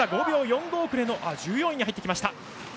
５秒４５遅れの１４位に入ってきました。